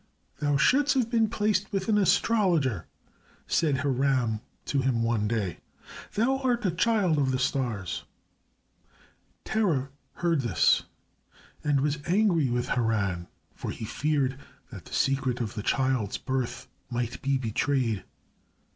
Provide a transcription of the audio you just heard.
"Thou shouldst have been placed with an astrologer," said Haran to him one day. "Thou art a child of the stars." Terah heard this and was angry with Haran, for he feared that the secret of the child's birth might be betrayed.